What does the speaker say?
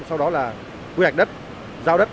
sau đó là quy hạch đất giao đất